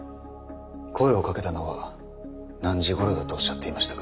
声をかけたのは何時ごろだとおっしゃっていましたか？